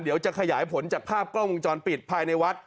เดี๋ยวจะขยายผลจากภาพกล้องวงจรปิดภายในวัด